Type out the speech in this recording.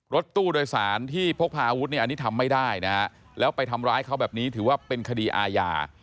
รถตู้โดยสารที่พกพาอาวุธเนี่ยอันนี้ทำไม่ได้นะฮะแล้วไปทำร้ายเขาแบบนี้ถือว่าเป็นคดีอาญา